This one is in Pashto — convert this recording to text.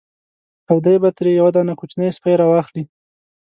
او دی به ترې یو دانه کوچنی سپی را واخلي.